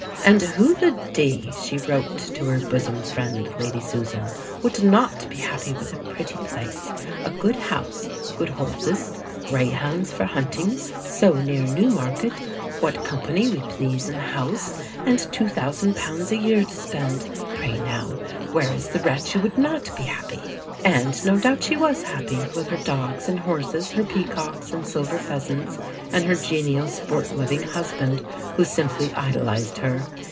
"And who the d ," she wrote to her bosom friend, Lady Susan, "would not be happy with a pretty place, a good house, good horses, greyhounds for hunting, so near Newmarket, what company we please in the house, and £2,000 a year to spend? Pray now, where is the wretch who would not be happy?" And no doubt she was happy, with her dogs and horses, her peacocks and silver pheasants, and her genial sport loving husband who simply idolised her.